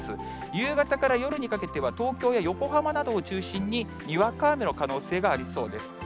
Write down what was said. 夕方から夜にかけては、東京や横浜などを中心に、にわか雨の可能性がありそうです。